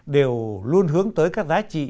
đều luôn hướng tới các giá trị